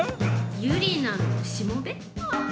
ユリナのしもべ？